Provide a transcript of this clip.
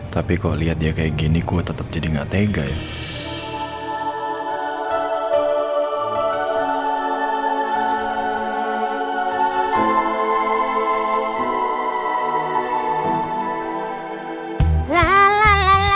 tapi kalau liat dia kayak gini gue tetep jadi gak tega ya